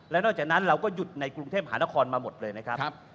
แล้วนอกจากนั้นเราก็หยุดในกรุงเทพหานครมาหมดเลยนะครับ